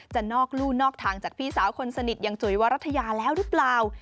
จะนอกลู่นอกทางจากพี่สาวคนสนิทอย่างจุ๋ยวรัฐยาแล้วหรือเปล่า